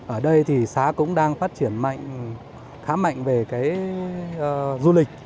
ở đây thì xá cũng đang phát triển khá mạnh về cái du lịch